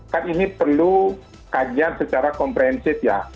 kan ini perlu kajian secara komprehensif ya